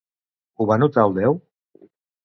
Ho va notar el déu?